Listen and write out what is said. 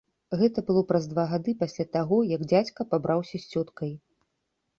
Гэта было праз два гады пасля таго, як дзядзька пабраўся з цёткай.